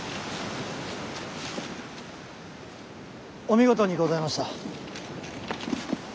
お見事にございました。